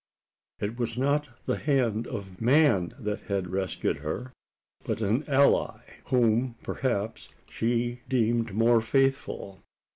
It was not the hand of man that had rescued her; but an ally whom, perhaps, she deemed more faithful.